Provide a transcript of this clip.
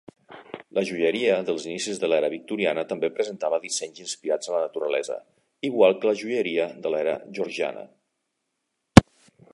La joieria dels inicis de l'era victoriana també presentava dissenys inspirats en la naturalesa, igual que la joieria de l'era georgiana.